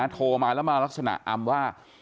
โทรมาแล้วมาลักษณะอำว่า